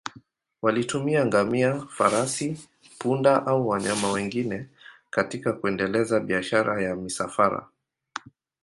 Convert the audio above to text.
Walitumia ngamia, farasi, punda au wanyama wengine katika kuendeleza biashara ya misafara.